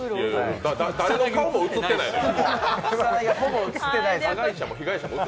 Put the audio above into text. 誰の顔も映ってないのよ。